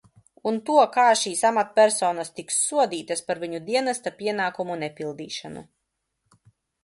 Un to, kā šīs amatpersonas tiks sodītas par viņu dienesta pienākumu nepildīšanu.